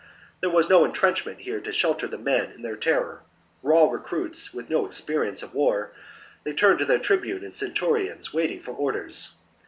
There was no entrenchment here to shelter the men in their terror : raw recruits, with no experience of war, they turned to their tribune and centurions, waiting for orders.